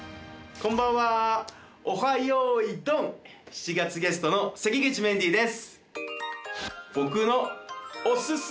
７がつゲストの関口メンディーです。